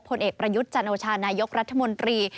ผลเอกประยุทธ์จันโอชานายกรัฐมนตรี